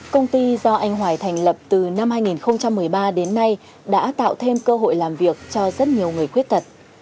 công ty do anh hoài thành lập từ năm hai nghìn một mươi ba đến nay đã tạo thêm cơ hội làm việc cho rất nhiều người khuyết tật